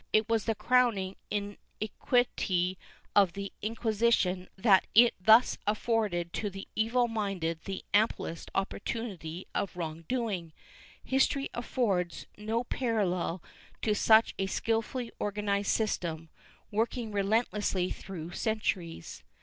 It was the crowning iniquity of the Incjuisition that it thus afforded to the evil minded the amplest opportunity of wrong doing. History affords no parallel to such a skilfully organized system, working relentlessly through centuries.